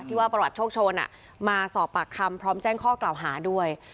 ว่าประวัติโชคโชนมาสอบปากคำพร้อมแจ้งข้อกล่าวหาด้วย